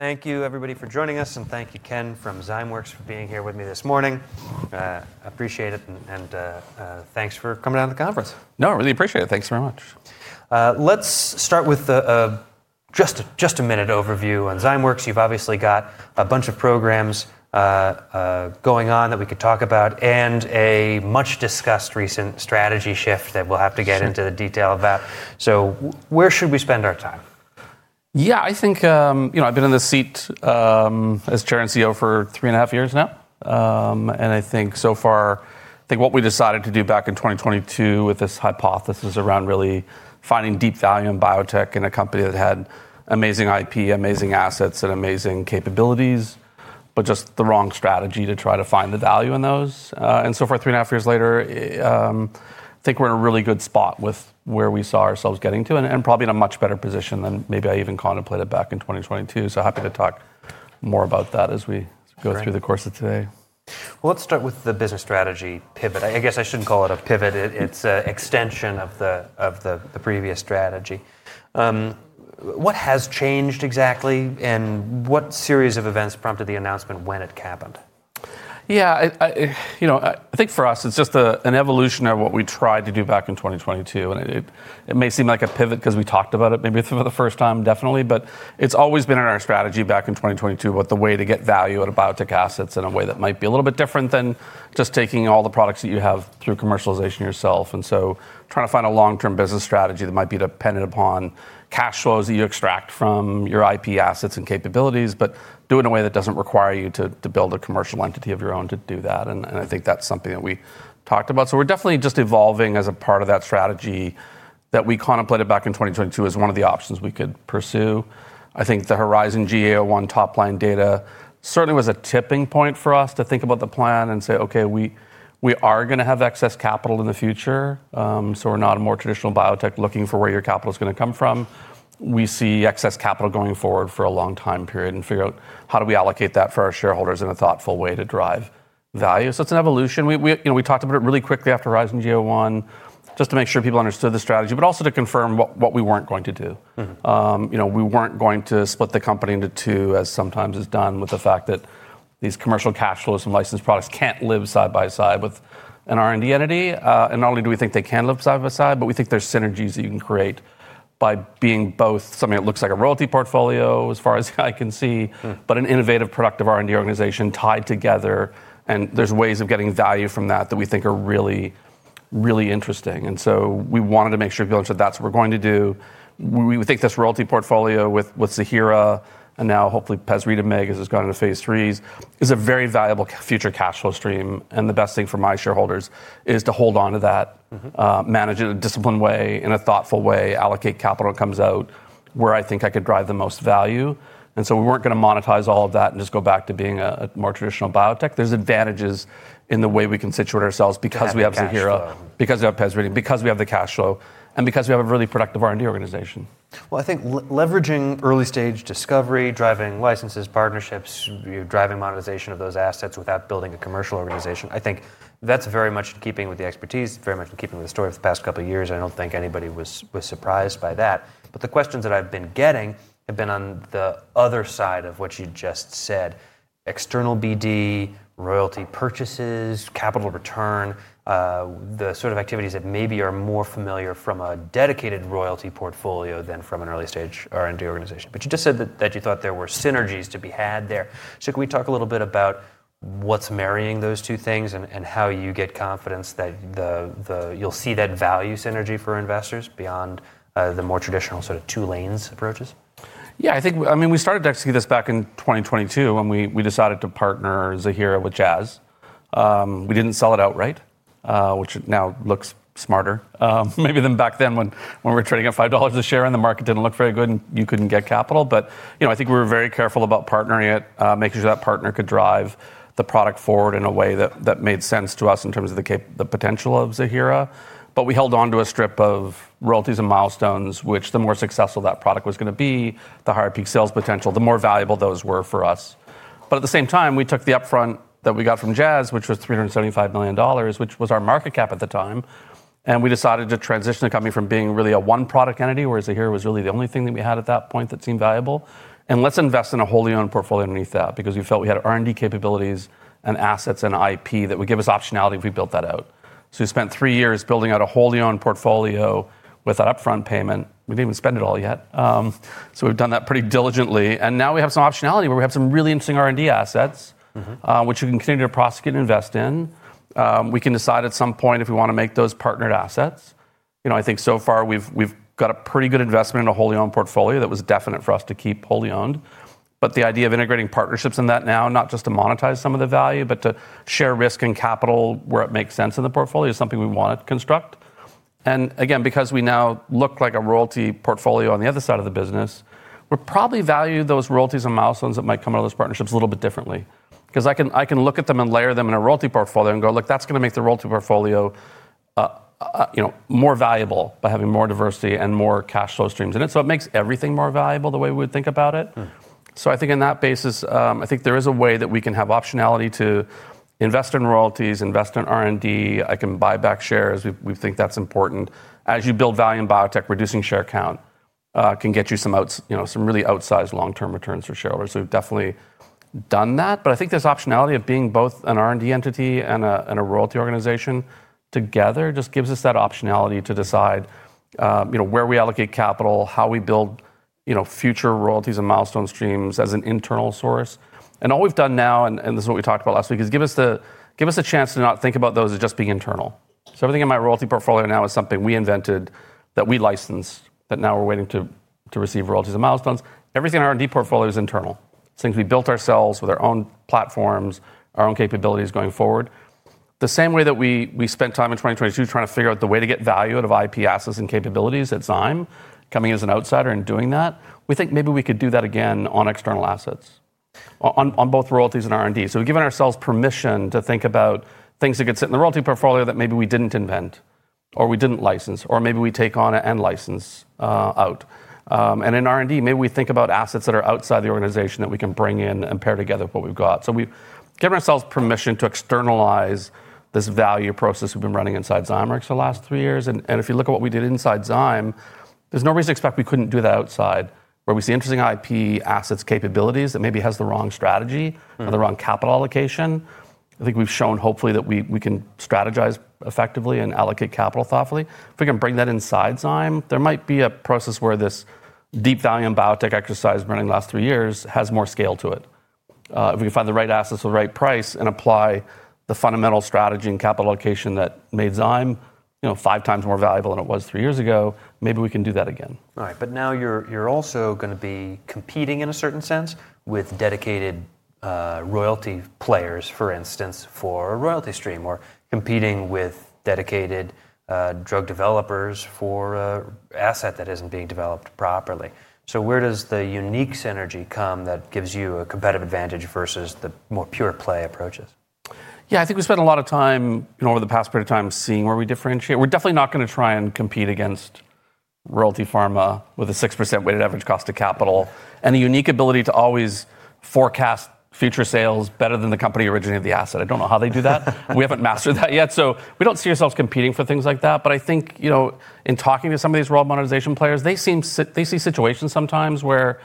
Thank you, everybody, for joining us, and thank you, Ken, from Zymeworks for being here with me this morning. I appreciate it, and thanks for coming on the conference. No, I really appreciate it. Thanks very much. Let's start with just a minute overview on Zymeworks. You've obviously got a bunch of programs going on that we could talk about and a much-discussed recent strategy shift that we'll have to get into the detail of that. Where should we spend our time? Yeah, I think, you know, I've been in this seat as Chair and CEO for three and a half years now. I think so far, I think what we decided to do back in 2022 with this hypothesis around really finding deep value in biotech in a company that had amazing IP, amazing assets, and amazing capabilities, but just the wrong strategy to try to find the value in those. For three and a half years later, I think we're in a really good spot with where we saw ourselves getting to and probably in a much better position than maybe I even contemplated back in 2022. Happy to talk more about that as we go through the course of today. Let's start with the business strategy pivot. I guess I shouldn't call it a pivot. It's an extension of the previous strategy. What has changed exactly, and what series of events prompted the announcement when it happened? Yeah, you know, I think for us, it's just an evolution of what we tried to do back in 2022. It may seem like a pivot because we talked about it maybe for the first time, definitely. It's always been in our strategy back in 2022 with the way to get value out of biotech assets in a way that might be a little bit different than just taking all the products that you have through commercialization yourself. Trying to find a long-term business strategy that might be dependent upon cash flows that you extract from your IP assets and capabilities, but do it in a way that doesn't require you to build a commercial entity of your own to do that. I think that's something that we talked about. We're definitely just evolving as a part of that strategy that we contemplated back in 2022 as one of the options we could pursue. I think the HERIZON-GEA-01 top-line data certainly was a tipping point for us to think about the plan and say, "Okay, we are going to have excess capital in the future, so we're not a more traditional biotech looking for where your capital is going to come from." We see excess capital going forward for a long time period and figure out how do we allocate that for our shareholders in a thoughtful way to drive value. It's an evolution. We talked about it really quickly after HERIZON-GEA-01 just to make sure people understood the strategy, but also to confirm what we weren't going to do. We were not going to split the company into two, as sometimes is done with the fact that these commercial cash flows from licensed products cannot live side by side with an R&D entity. Not only do we think they can live side by side, but we think there are synergies that you can create by being both something that looks like a royalty portfolio, as far as I can see, but an innovative productive R&D organization tied together. There are ways of getting value from that that we think are really, really interesting. We wanted to make sure people understood that is what we are going to do. We think this royalty portfolio with Zymeworks and now hopefully Rybrevant has gone into phase threes is a very valuable future cash flow stream. The best thing for my shareholders is to hold on to that, manage it in a disciplined way, in a thoughtful way, allocate capital that comes out where I think I could drive the most value. We were not going to monetize all of that and just go back to being a more traditional biotech. There are advantages in the way we can situate ourselves because we have Zymeworks, because we have Rybrevant, because we have the cash flow, and because we have a really productive R&D organization. I think leveraging early-stage discovery, driving licenses, partnerships, driving monetization of those assets without building a commercial organization, I think that's very much in keeping with the expertise, very much in keeping with the story of the past couple of years. I don't think anybody was surprised by that. The questions that I've been getting have been on the other side of what you just said: external BD, royalty purchases, capital return, the sort of activities that maybe are more familiar from a dedicated royalty portfolio than from an early-stage R&D organization. You just said that you thought there were synergies to be had there. Can we talk a little bit about what's marrying those two things and how you get confidence that you'll see that value synergy for investors beyond the more traditional sort of two lanes approaches? Yeah, I think, I mean, we started to execute this back in 2022 when we decided to partner Zymeworks with Jazz. We did not sell it outright, which now looks smarter maybe than back then when we were trading at $5 a share and the market did not look very good and you could not get capital. I think we were very careful about partnering it, making sure that partner could drive the product forward in a way that made sense to us in terms of the potential of Zymeworks. We held on to a strip of royalties and milestones, which the more successful that product was going to be, the higher peak sales potential, the more valuable those were for us. At the same time, we took the upfront that we got from Jazz, which was $375 million, which was our market cap at the time. We decided to transition the company from being really a one-product entity, where Zymeworks was really the only thing that we had at that point that seemed valuable, and let's invest in a wholly owned portfolio underneath that because we felt we had R&D capabilities and assets and IP that would give us optionality if we built that out. We spent three years building out a wholly owned portfolio with that upfront payment. We did not even spend it all yet. We have done that pretty diligently. Now we have some optionality where we have some really interesting R&D assets, which we can continue to prosecute and invest in. We can decide at some point if we want to make those partnered assets. I think so far we have got a pretty good investment in a wholly owned portfolio that was definite for us to keep wholly owned. The idea of integrating partnerships in that now, not just to monetize some of the value, but to share risk and capital where it makes sense in the portfolio is something we want to construct. Again, because we now look like a royalty portfolio on the other side of the business, we'll probably value those royalties and milestones that might come out of those partnerships a little bit differently. I can look at them and layer them in a royalty portfolio and go, "Look, that's going to make the royalty portfolio more valuable by having more diversity and more cash flow streams in it." It makes everything more valuable the way we would think about it. I think on that basis, I think there is a way that we can have optionality to invest in royalties, invest in R&D. I can buy back shares. We think that's important. As you build value in biotech, reducing share count can get you some really outsized long-term returns for shareholders. We've definitely done that. I think this optionality of being both an R&D entity and a royalty organization together just gives us that optionality to decide where we allocate capital, how we build future royalties and milestone streams as an internal source. All we've done now, and this is what we talked about last week, is give us a chance to not think about those as just being internal. Everything in my royalty portfolio now is something we invented that we licensed that now we're waiting to receive royalties and milestones. Everything in our R&D portfolio is internal. It's things we built ourselves with our own platforms, our own capabilities going forward. The same way that we spent time in 2022 trying to figure out the way to get value out of IP assets and capabilities at Zymeworks coming in as an outsider and doing that, we think maybe we could do that again on external assets on both royalties and R&D. We have given ourselves permission to think about things that could sit in the royalty portfolio that maybe we did not invent or we did not license, or maybe we take on and license out. In R&D, maybe we think about assets that are outside the organization that we can bring in and pair together what we have got. We have given ourselves permission to externalize this value process we have been running inside Zymeworks for the last three years. If you look at what we did inside Zyme, there's no reason to expect we couldn't do that outside where we see interesting IP assets, capabilities that maybe have the wrong strategy or the wrong capital allocation. I think we've shown hopefully that we can strategize effectively and allocate capital thoughtfully. If we can bring that inside Zyme, there might be a process where this deep value in biotech exercise running the last three years has more scale to it. If we can find the right assets at the right price and apply the fundamental strategy and capital allocation that made Zyme five times more valuable than it was three years ago, maybe we can do that again. All right. Now you're also going to be competing in a certain sense with dedicated royalty players, for instance, for a royalty stream or competing with dedicated drug developers for an asset that isn't being developed properly. Where does the unique synergy come that gives you a competitive advantage versus the more pure play approaches? Yeah, I think we spent a lot of time over the past period of time seeing where we differentiate. We're definitely not going to try and compete against Royalty Pharma with a 6% weighted average cost of capital and the unique ability to always forecast future sales better than the company originating the asset. I don't know how they do that. We haven't mastered that yet. We don't see ourselves competing for things like that. I think in talking to some of these royalty monetization players, they see situations sometimes where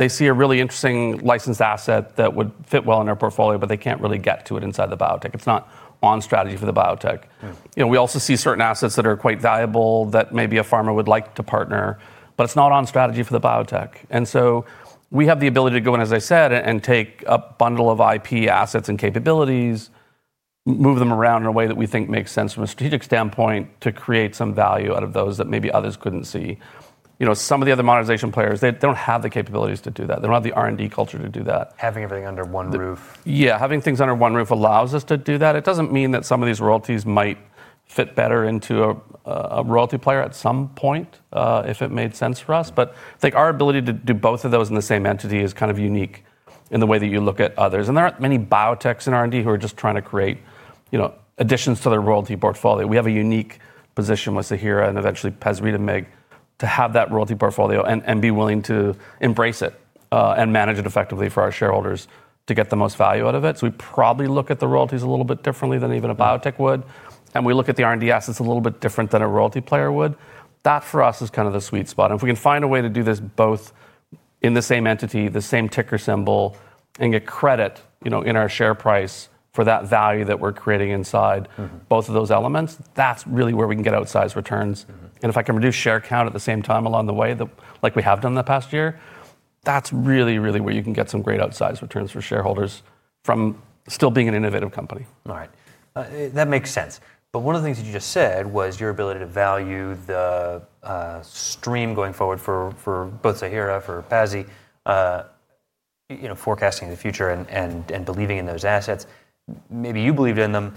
they see a really interesting licensed asset that would fit well in their portfolio, but they can't really get to it inside the biotech. It's not on strategy for the biotech. We also see certain assets that are quite valuable that maybe a pharma would like to partner, but it's not on strategy for the biotech. We have the ability to go in, as I said, and take a bundle of IP assets and capabilities, move them around in a way that we think makes sense from a strategic standpoint to create some value out of those that maybe others couldn't see. Some of the other monetization players, they don't have the capabilities to do that. They don't have the R&D culture to do that. Having everything under one roof. Yeah, having things under one roof allows us to do that. It does not mean that some of these royalties might fit better into a royalty player at some point if it made sense for us. I think our ability to do both of those in the same entity is kind of unique in the way that you look at others. There are not many biotechs in R&D who are just trying to create additions to their royalty portfolio. We have a unique position with Zymeworks and eventually Rybrevant to have that royalty portfolio and be willing to embrace it and manage it effectively for our shareholders to get the most value out of it. We probably look at the royalties a little bit differently than even a biotech would. We look at the R&D assets a little bit different than a royalty player would. That for us is kind of the sweet spot. If we can find a way to do this both in the same entity, the same ticker symbol, and get credit in our share price for that value that we're creating inside both of those elements, that's really where we can get outsized returns. If I can reduce share count at the same time along the way, like we have done in the past year, that's really, really where you can get some great outsized returns for shareholders from still being an innovative company. All right. That makes sense. One of the things that you just said was your ability to value the stream going forward for both Zymeworks, for Rybrevant, forecasting the future and believing in those assets. Maybe you believed in them,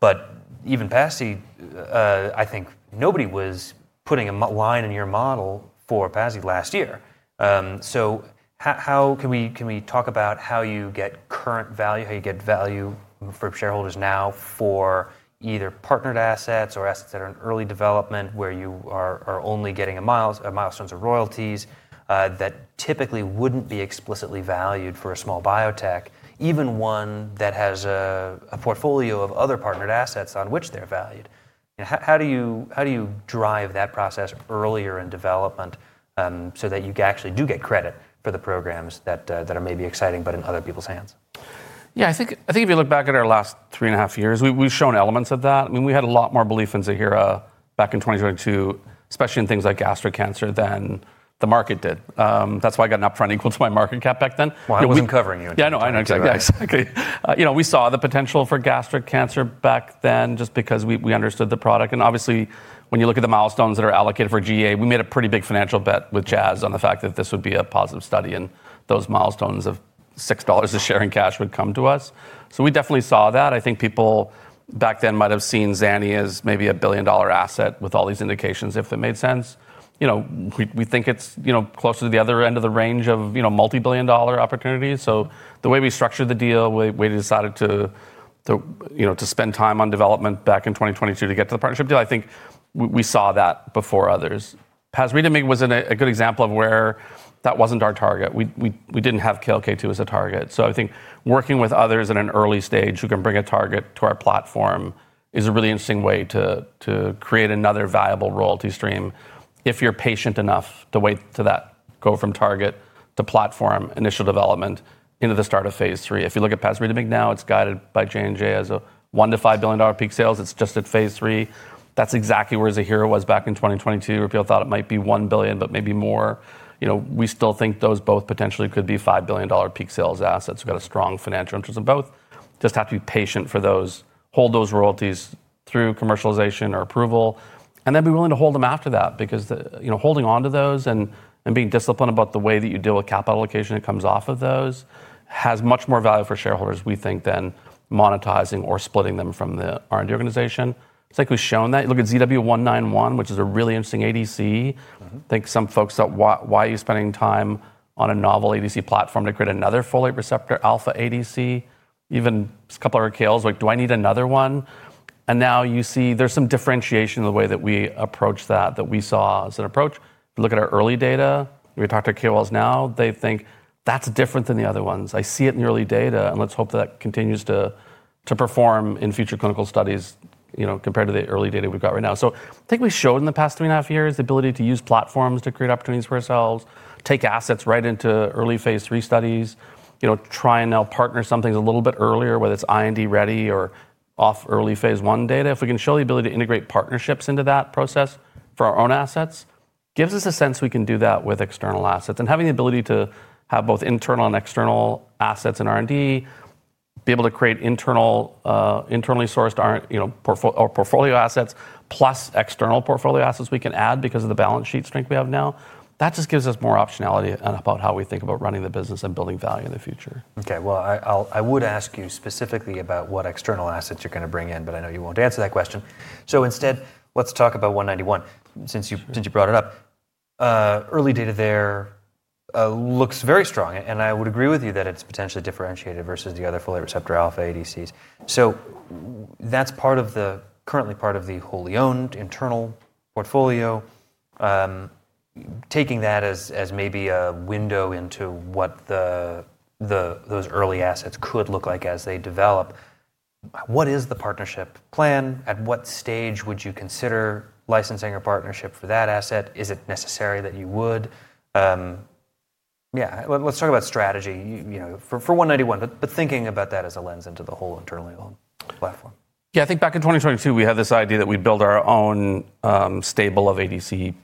but even Rybrevant, I think nobody was putting a line in your model for Rybrevant last year. How can we talk about how you get current value, how you get value for shareholders now for either partnered assets or assets that are in early development where you are only getting milestones or royalties that typically would not be explicitly valued for a small biotech, even one that has a portfolio of other partnered assets on which they are valued? How do you drive that process earlier in development so that you actually do get credit for the programs that are maybe exciting but in other people's hands? Yeah, I think if you look back at our last three and a half years, we've shown elements of that. I mean, we had a lot more belief in Zymeworks back in 2022, especially in things like gastric cancer than the market did. That's why I got an upfront equal to my market cap back then. While we've been covering you. Yeah, no, I know exactly. We saw the potential for gastric cancer back then just because we understood the product. Obviously, when you look at the milestones that are allocated for GA, we made a pretty big financial bet with Jazz on the fact that this would be a positive study and those milestones of $6 a share in cash would come to us. We definitely saw that. I think people back then might have seen Zymeworks as maybe a billion-dollar asset with all these indications if it made sense. We think it's closer to the other end of the range of multi-billion-dollar opportunity. The way we structured the deal, the way we decided to spend time on development back in 2022 to get to the partnership deal, I think we saw that before others. Rybrevant was a good example of where that wasn't our target. We did not have KLK2 as a target. I think working with others in an early stage who can bring a target to our platform is a really interesting way to create another valuable royalty stream if you are patient enough to wait for that to go from target to platform initial development into the start of phase 3. If you look at Rybrevant now, it is guided by J&J as a $1 billion-$5 billion peak sales. It is just at phase 3. That is exactly where Zymeworks was back in 2022 where people thought it might be $1 billion, but maybe more. We still think those both potentially could be $5 billion peak sales assets. We have got a strong financial interest in both. Just have to be patient for those, hold those royalties through commercialization or approval, and then be willing to hold them after that because holding on to those and being disciplined about the way that you deal with capital allocation that comes off of those has much more value for shareholders, we think, than monetizing or splitting them from the R&D organization. It's like we've shown that. Look at ZW191, which is a really interesting ADC. I think some folks thought, "Why are you spending time on a novel ADC platform to create another folate receptor alpha ADC?" Even a couple of our KOLs were like, "Do I need another one?" Now you see there's some differentiation in the way that we approach that, that we saw as an approach. If you look at our early data, we talk to KOLs now, they think, "That's different than the other ones. I see it in the early data, and let's hope that that continues to perform in future clinical studies compared to the early data we've got right now." I think we've shown in the past three and a half years the ability to use platforms to create opportunities for ourselves, take assets right into early phase three studies, try and now partner some things a little bit earlier, whether it's IND ready or off early phase one data. If we can show the ability to integrate partnerships into that process for our own assets, it gives us a sense we can do that with external assets. Having the ability to have both internal and external assets in R&D, be able to create internally sourced portfolio assets plus external portfolio assets we can add because of the balance sheet strength we have now, that just gives us more optionality about how we think about running the business and building value in the future. Okay. I would ask you specifically about what external assets you're going to bring in, but I know you won't answer that question. Instead, let's talk about 191 since you brought it up. Early data there looks very strong. I would agree with you that it's potentially differentiated versus the other folate receptor alpha ADCs. That's currently part of the wholly owned internal portfolio. Taking that as maybe a window into what those early assets could look like as they develop, what is the partnership plan? At what stage would you consider licensing or partnership for that asset? Is it necessary that you would? Let's talk about strategy for 191, but thinking about that as a lens into the whole internal platform. Yeah, I think back in 2022, we had this idea that we'd build our own stable of ADC assets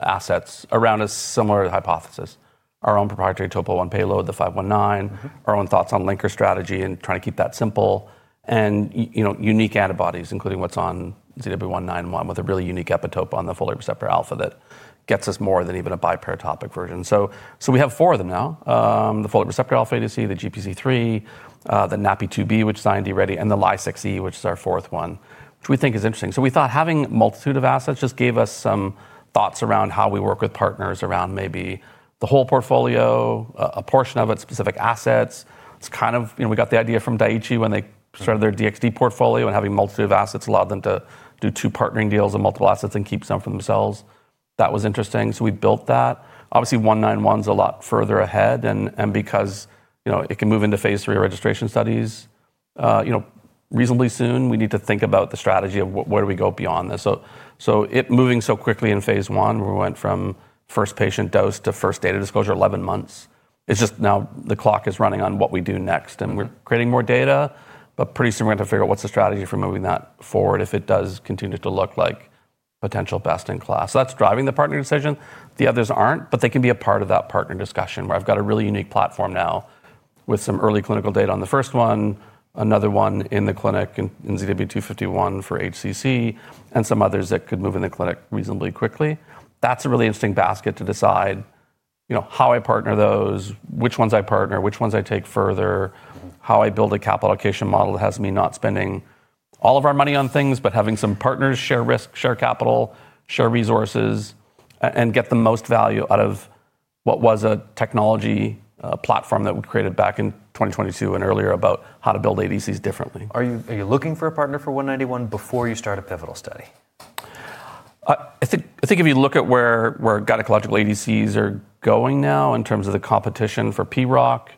around a similar hypothesis, our own proprietary Topoisomerase I payload, the 519, our own thoughts on linker strategy and trying to keep that simple, and unique antibodies, including what's on ZW191 with a really unique epitope on the folate receptor alpha that gets us more than even a biparatopic version. We have four of them now, the folate receptor alpha ADC, the GPC3, the NaPi2b, which is IND ready, and the Ly6E, which is our fourth one, which we think is interesting. We thought having a multitude of assets just gave us some thoughts around how we work with partners around maybe the whole portfolio, a portion of it, specific assets. It's kind of we got the idea from Daiichi when they started their DXD portfolio, and having a multitude of assets allowed them to do two partnering deals and multiple assets and keep some for themselves. That was interesting. We built that. Obviously, 191 is a lot further ahead. Because it can move into phase three registration studies reasonably soon, we need to think about the strategy of where do we go beyond this. Moving so quickly in phase one, we went from first patient dose to first data disclosure, 11 months. It's just now the clock is running on what we do next. We're creating more data, but pretty soon we're going to figure out what's the strategy for moving that forward if it does continue to look like potential best in class. That's driving the partner decision. The others aren't, but they can be a part of that partner discussion where I've got a really unique platform now with some early clinical data on the first one, another one in the clinic in ZW251 for HCC, and some others that could move in the clinic reasonably quickly. That's a really interesting basket to decide how I partner those, which ones I partner, which ones I take further, how I build a capital allocation model that has me not spending all of our money on things, but having some partners share risk, share capital, share resources, and get the most value out of what was a technology platform that we created back in 2022 and earlier about how to build ADCs differently. Are you looking for a partner for 191 before you start a pivotal study? I think if you look at where gynecological ADCs are going now in terms of the competition for PROC,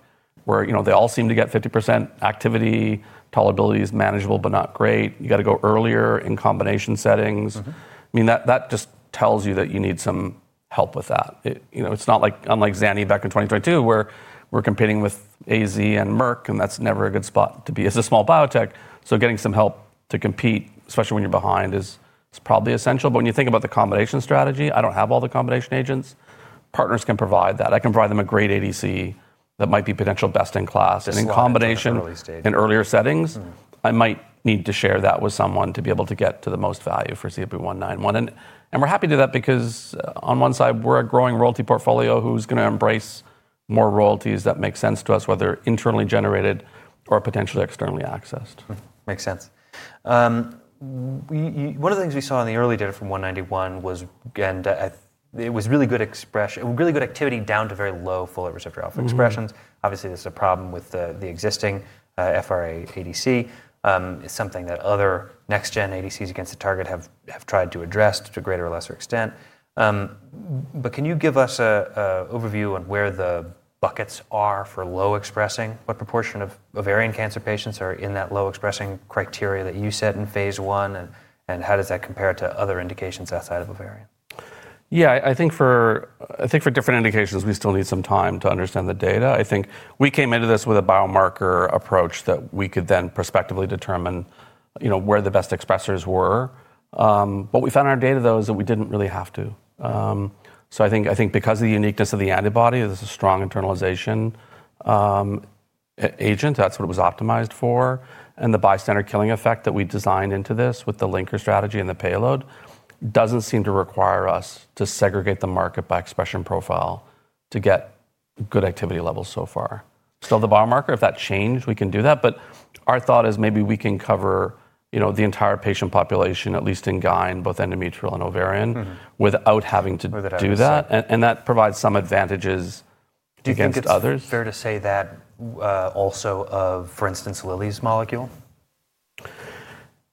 where they all seem to get 50% activity, tolerability is manageable, but not great. You got to go earlier in combination settings. I mean, that just tells you that you need some help with that. It's not like Zymeworks back in 2022, where we're competing with AZ and Merck, and that's never a good spot to be as a small biotech. Getting some help to compete, especially when you're behind, is probably essential. When you think about the combination strategy, I don't have all the combination agents. Partners can provide that. I can provide them a great ADC that might be potential best in class. In combination in earlier settings, I might need to share that with someone to be able to get to the most value for ZW191. We are happy to do that because on one side, we are a growing royalty portfolio who is going to embrace more royalties that make sense to us, whether internally generated or potentially externally accessed. Makes sense. One of the things we saw in the early data from 191 was, and it was really good activity down to very low folate receptor alpha expressions. Obviously, this is a problem with the existing FRA ADC. It's something that other next-gen ADCs against the target have tried to address to a greater or lesser extent. Can you give us an overview on where the buckets are for low expressing? What proportion of ovarian cancer patients are in that low expressing criteria that you set in phase 1? How does that compare to other indications outside of ovarian? Yeah, I think for different indications, we still need some time to understand the data. I think we came into this with a biomarker approach that we could then prospectively determine where the best expressors were. What we found in our data, though, is that we didn't really have to. I think because of the uniqueness of the antibody, this is a strong internalization agent. That's what it was optimized for. The bystander killing effect that we designed into this with the linker strategy and the payload doesn't seem to require us to segregate the market by expression profile to get good activity levels so far. Still, the biomarker, if that changed, we can do that. Our thought is maybe we can cover the entire patient pation, at least in gyne, both endometrial and ovarian, without having to do that. That provides some advantages against others. Do you think it's fair to say that also of, for instance, Lilly's molecule?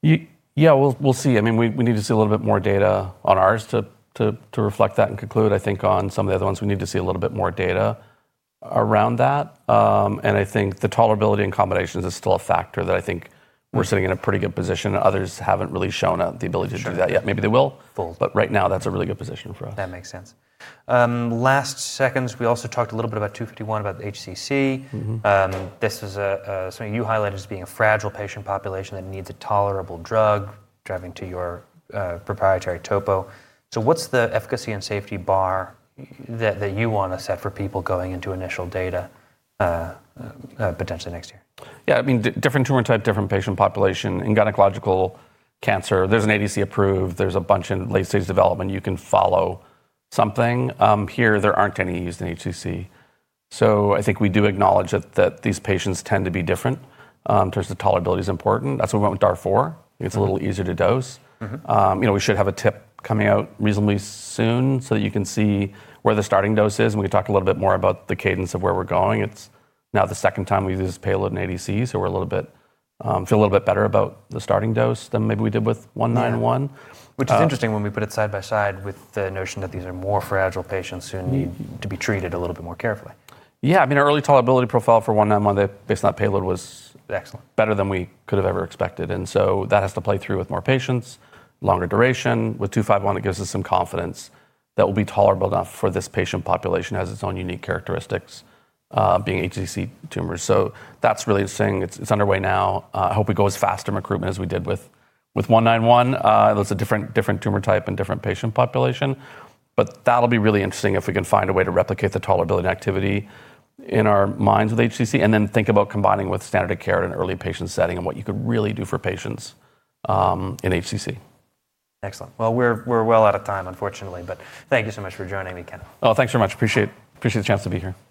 Yeah, we'll see. I mean, we need to see a little bit more data on ours to reflect that and conclude. I think on some of the other ones, we need to see a little bit more data around that. I think the tolerability and combinations is still a factor that I think we're sitting in a pretty good position. Others haven't really shown the ability to do that yet. Maybe they will, but right now, that's a really good position for us. That makes sense. Last seconds, we also talked a little bit about 251, about the HCC. This is something you highlighted as being a fragile patient population that needs a tolerable drug, driving to your proprietary Topoisomerase I. So what's the efficacy and safety bar that you want to set for people going into initial data potentially next year? Yeah, I mean, different tumor type, different patient population. In gynecological cancer, there's an ADC approved. There's a bunch in late-stage development. You can follow something. Here, there aren't any used in HCC. I think we do acknowledge that these patients tend to be different. In terms of tolerability, it's important. That's why we went with DAR4. It's a little easier to dose. We should have a tip coming out reasonably soon so that you can see where the starting dose is. We talked a little bit more about the cadence of where we're going. It's now the second time we use this payload in ADC, so we feel a little bit better about the starting dose than maybe we did with 191. Which is interesting when we put it side by side with the notion that these are more fragile patients who need to be treated a little bit more carefully. Yeah, I mean, our early tolerability profile for 191 based on that payload was excellent, better than we could have ever expected. That has to play through with more patients, longer duration. With 251, it gives us some confidence that will be tolerable enough for this patient population as its own unique characteristics being HCC tumors. That is really interesting. It is underway now. I hope we go as fast in recruitment as we did with 191. That is a different tumor type and different patient population. That will be really interesting if we can find a way to replicate the tolerability and activity in our minds with HCC and then think about combining with standard of care in an early patient setting and what you could really do for patients in HCC. Excellent. We are well out of time, unfortunately. Thank you so much for joining me, Ken. Oh, thanks very much. Appreciate the chance to be here.